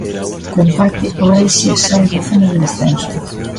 Co empate, o Elxe sae da zona de descenso.